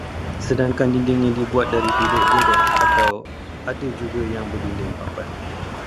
Sedangkan dindingnya dibuat dari bilik gedek atau ada juga yang berdinding papan